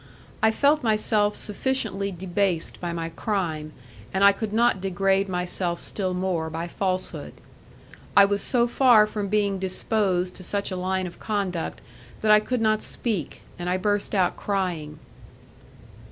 I felt myself sufficiently debased by my crime, and I could not degrade myself still more by falsehood. I was so far from being disposed to such a line of conduct that I could not speak, and I burst out crying.